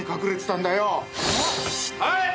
はい！